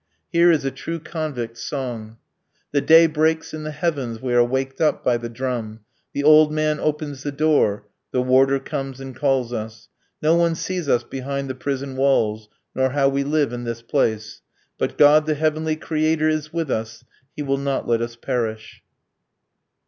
Here is a true convict's song: The day breaks in the heavens, We are waked up by the drum. The old man opens the door, The warder comes and calls us. No one sees us behind the prison walls, Nor how we live in this place. But God, the Heavenly Creator, is with us He will not let us perish.